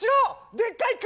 でっかい熊！